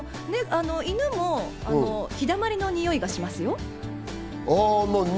犬も陽だまりのにおいがしますよ。